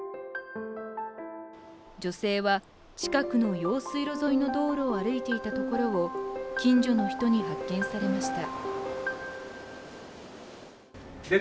女性は近くの用水路沿いの道路を歩いていたところを近所の人に発見されました。